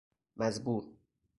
مزبور